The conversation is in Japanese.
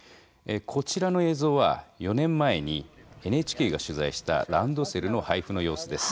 こちらの映像は４年前にＮＨＫが取材したランドセルの配布の様子です。